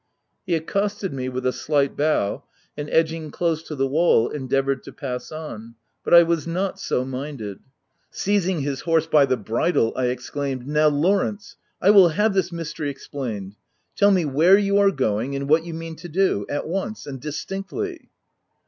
He accosted me with a slight bow, and, edging close to the wall, endeavoured to pass on — but I was not so minded : seizing his horse by the bridle, I exclaimed ;—" Now Lawrence, I will have this mystery 186 THE TENANT explained ! Tell me where you are going, and what you mean to do — at once, and distinctly